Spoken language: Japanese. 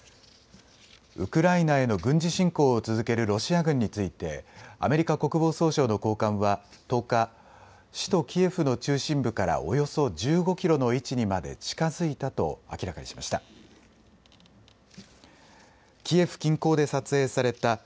ウクライナへの軍事侵攻を続けるロシア軍についてアメリカ国防総省の高官は１０日、首都キエフの中心部からおよそ１５キロの位置にまで近づいたと明らかにしました。